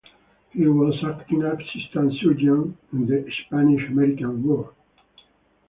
He was acting Assistant Surgeon in the Spanish–American War.